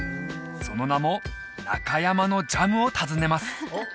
その名も「中山のジャム」を訪ねます